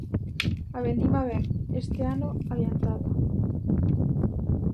A vendima vén, este ano, adiantada.